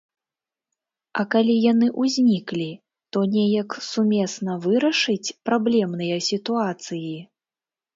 А калі яны ўзніклі, то неяк сумесна вырашыць праблемныя сітуацыі?